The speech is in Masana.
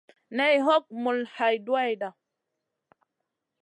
Nay hog mul hay duwayda.